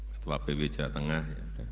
ketua pw jawa tengah